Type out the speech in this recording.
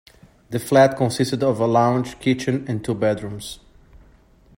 The flat consisted of a lounge, kitchen and two bedrooms.